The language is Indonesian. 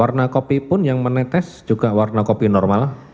warna kopi pun yang menetes juga warna kopi normal